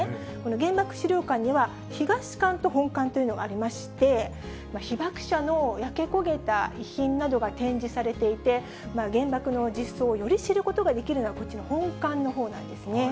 原爆資料館には東館と本館というのがありまして、被爆者の焼け焦げた遺品などが展示されていて、原爆の実相をより知ることができるのは、こっちの本館のほうなんですね。